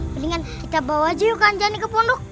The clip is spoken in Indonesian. mendingan kita bawa aja yuk kanjanya ke pondok